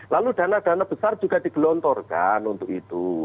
lalu dana dana besar juga digelontorkan untuk itu